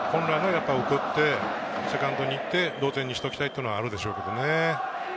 本来、送ってセカンドに１点同点にしておきたいっていうのがあるでしょうけどね。